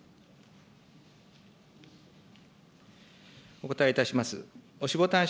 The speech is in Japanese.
お答えいたします。